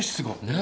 何？